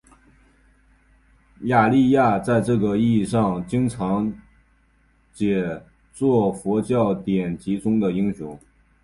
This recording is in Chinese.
雅利亚在这个意义上经常解作佛教典籍中的英雄。